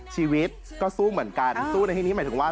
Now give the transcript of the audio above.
ชีวิตก็สู้เหมือนกันสู้ในที่นี้หมายถึงว่า